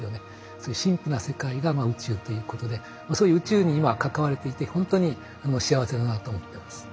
そういう神秘な世界が宇宙ということでそういう宇宙に今関われていてほんとに幸せだなと思ってます。